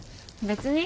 別に。